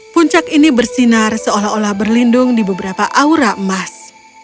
puncak ini bersinar seolah olah berlindung di beberapa aura emas